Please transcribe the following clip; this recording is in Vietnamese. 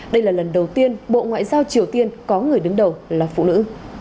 đây là lần đầu tiên bộ ngoại giao triều tiên có người đứng đầu là phụ nữ